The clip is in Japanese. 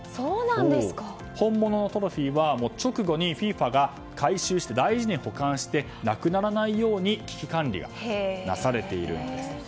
本物のトロフィーは直後にＦＩＦＡが回収して大事に保管してなくならないように危機管理がなされているんです。